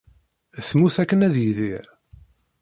Temmut akken ad yidir.